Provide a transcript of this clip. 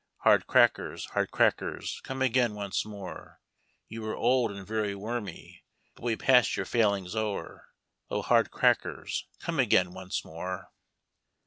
Hard crackers, hard crackers, come again once more ; You were old and very wormy, but we pass your failings o'er. O hard crackers, come again once more!